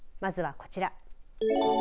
まずはこちら。